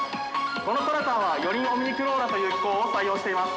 この虎タンは四輪オムニクローラーという機構を採用しています。